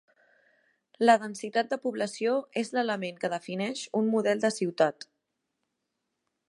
La densitat de població és l'element que defineix un model de ciutat.